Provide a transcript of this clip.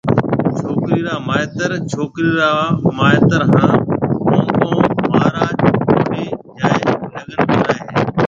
ڇوڪرَي را مائيتر ، ڇوڪرِي را مائيتر ھان مونگون مھاراج ڪوڊِي جائيَ لڳن جورائيَ ھيََََ